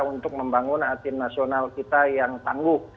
untuk membangun tim nasional kita yang tangguh